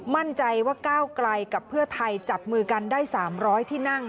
มั่นใจว่าก้าวไกลกับเพื่อไทยจับมือกันได้๓๐๐ที่นั่ง